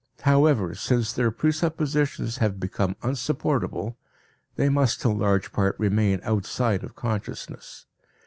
However, since their presuppositions have become unsupportable, they must in large part remain outside of consciousness.